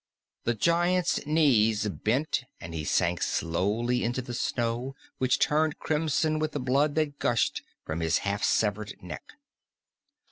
The giant's knees bent and he sank slowly into the snow which turned crimson with the blood that gushed from his half severed neck.